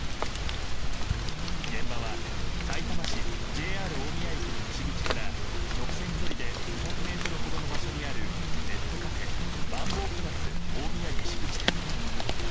現場は、さいたま市ＪＲ大宮駅の西口から直線距離で２００ｍほどの場所にあるネットカフェマンボープラス大宮西口店。